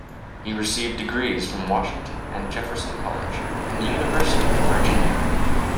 He received degrees from Washington and Jefferson College and the University of Virginia.